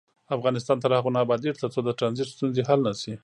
افغانستان تر هغو نه ابادیږي، ترڅو د ټرانزیت ستونزې حل نشي.